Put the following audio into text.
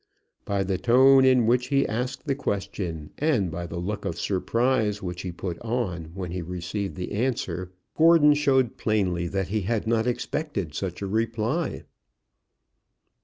By the tone in which he asked the question, and by the look of surprise which he put on when he received the answer, Gordon showed plainly that he had not expected such a reply.